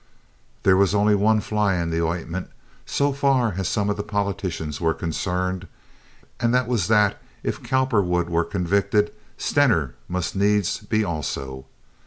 There was only one fly in the ointment, so far as some of the politicians were concerned, and that was that if Cowperwood were convicted, Stener must needs be also.